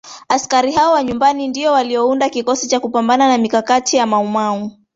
Askari hao wa nyumbani ndio waliounda kikosi cha kupambana na mikakati ya Mau Mau